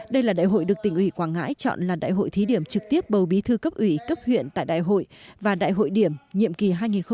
đây là đại hội được tỉnh ủy quảng ngãi chọn là đại hội thí điểm trực tiếp bầu bí thư cấp ủy cấp huyện tại đại hội và đại hội điểm nhiệm kỳ hai nghìn hai mươi hai nghìn hai mươi năm